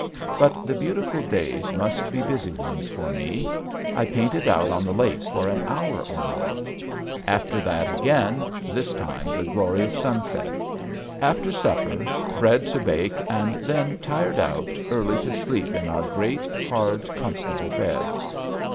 But the beautiful days must be busy ones for me. I painted out on the lake for an hour or more; after that again this time the glorious sunset. After supper bread to bake and then, tired out, early to sleep in our great, hard, comfortable bed.